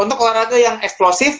untuk olahraga yang eksplosif